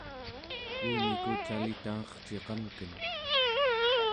uumiku cali tangerciqamken